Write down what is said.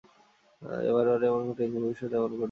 বারে বারে এমনই ঘটেছে, ভবিষ্যতেও এমনই ঘটবে।